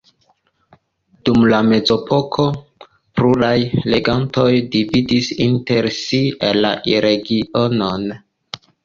Dum la mezepoko pluraj regantoj dividis inter si la regionon.